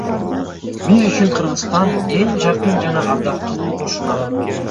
Биз үчүн Кыргызстан эң жакын жана ардактуу кошуна.